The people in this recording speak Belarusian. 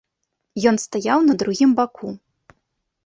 Ён стаяў на другім баку.